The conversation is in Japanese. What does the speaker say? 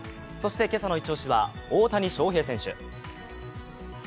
今朝のイチ押しは、大谷翔平選手。